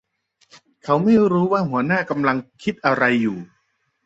เขาไม่รู้ว่าหัวหน้ากำลังคิดอะไรอยู่